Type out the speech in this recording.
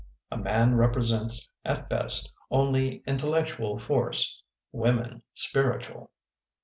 A man represents at best only intellectual force, women, spiritual."